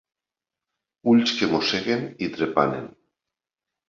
Ulls que mosseguen i trepanen.